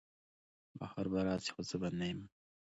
بهار به راسي خو زه به نه یم